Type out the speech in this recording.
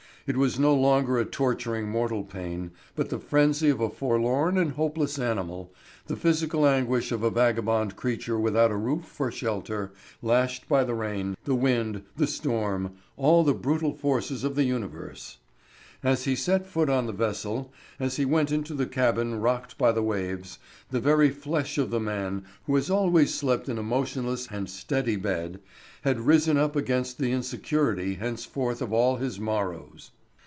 It was no longer a torturing mortal pain, but the frenzy of a forlorn and homeless animal, the physical anguish of a vagabond creature without a roof for shelter, lashed by the rain, the wind, the storm, all the brutal forces of the universe. As he set foot on the vessel, as he went into the cabin rocked by the waves, the very flesh of the man, who had always slept in a motionless and steady bed, had risen up against the insecurity henceforth of all his morrows.